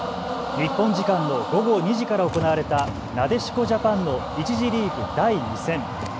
日本時間の午後２時から行われたなでしこジャパンの１次リーグ第２戦。